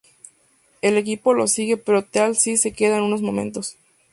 El equipo lo sigue, pero Teal'c se queda unos momentos.